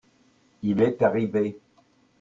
il est arrivé.